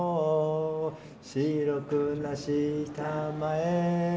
「白くなしたまえ」